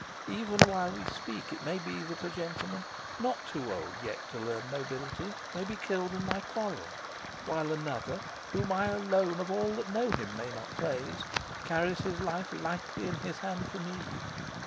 Even while we speak, it may be that a gentleman, not too old yet to learn nobility, may be killed in my quarrel; while another, whom I alone of all that know him may not praise, carries his life lightly in his hand for me.